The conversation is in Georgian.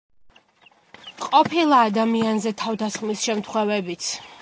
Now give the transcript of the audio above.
ყოფილა ადამიანზე თავდასხმის შემთხვევებიც.